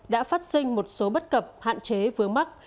đã phát sinh một số bất cập hạn chế vướng mắt